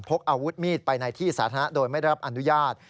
พกอาวุธมีดไปในที่สาธารณะโดยไม่ได้รับอนุญาต